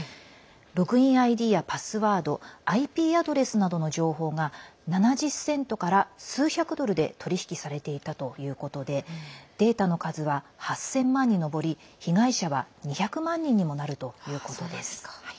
ログインＩＤやパスワードＩＰアドレスなどの情報が７０セントから数百ドルで取り引きされていたということでデータの数は８０００万に上り被害者は２００万人にもなるということです。